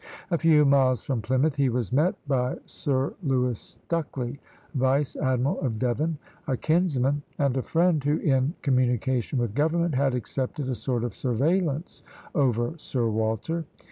A few miles from Plymouth he was met by Sir Lewis Stucley, vice admiral of Devon, a kinsman and a friend, who, in communication with government, had accepted a sort of surveillance over Sir Walter.